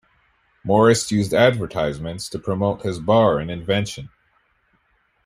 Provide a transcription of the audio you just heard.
Morris used advertisements to promote his bar and invention.